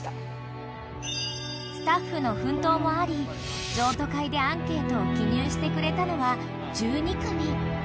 ［スタッフの奮闘もあり譲渡会でアンケートを記入してくれたのは１２組］